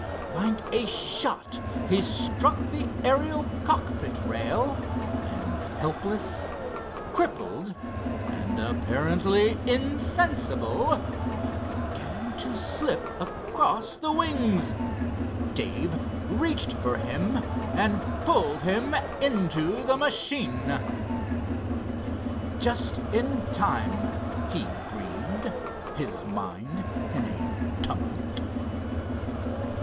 Like a shot he struck the Ariel cockpit rail, and, helpless, crippled, and apparently insensible, began to slip across the wings. Dave reached for him and pulled him into the machine. "Just in time!" he breathed, his mind in a tumult.